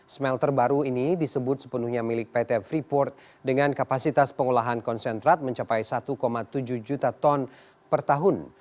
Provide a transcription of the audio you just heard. smelter baru ini disebut sepenuhnya milik pt freeport dengan kapasitas pengolahan konsentrat mencapai satu tujuh juta ton per tahun